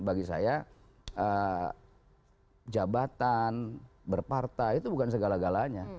bagi saya jabatan berpartai itu bukan segala galanya